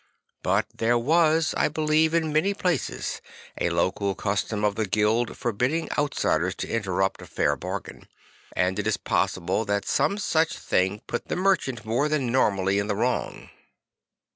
But there was, I believe, in many places a local custom of the guild forbidding outsiders to interrupt a fair bargain; Franc%'s the Fighter 43 and it is possible that some such thing put the mendicant more than nonnally in the wrong.